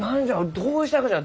どうしたがじゃ？